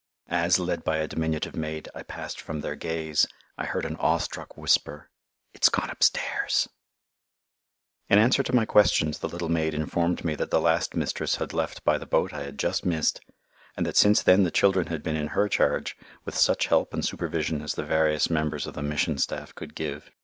As, led by a diminutive maid, I passed from their gaze I heard an awe struck whisper, "IT'S gone upstairs!" [Illustration: THE HERRING OF HIGH ESTATE] In answer to my questions the little maid informed me that the last mistress had left by the boat I had just missed, and that since then the children had been in her charge, with such help and supervision as the various members of the Mission staff could give.